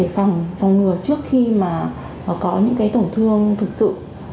phòng ngừa trước khi mà có những cái tổn thương thực sự